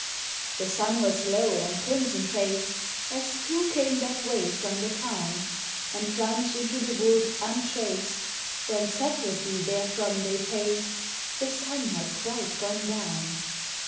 The sun was low and crimson faced As two came that way from the town, And plunged into the wood untraced ... When separately therefrom they paced The sun had quite gone down.